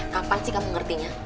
kapan sih kamu ngertinya